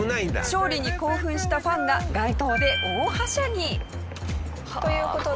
勝利に興奮したファンが街灯で大はしゃぎ。という事で。